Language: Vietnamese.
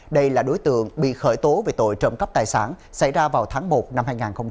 đây là đối tượng bị khởi tố về tội trộm cắp tài sản xảy ra vào tháng một năm hai nghìn hai mươi